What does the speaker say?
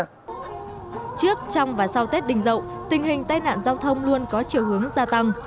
trước trong và sau tết đình dậu tình hình tai nạn giao thông luôn có chiều hướng gia tăng